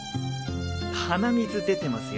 鼻水出てますよ。